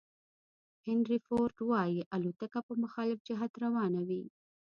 هینري فورد وایي الوتکه په مخالف جهت روانه وي.